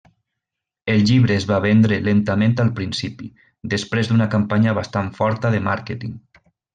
El llibre es va vendre lentament al principi, després d'una campanya bastant forta de màrqueting.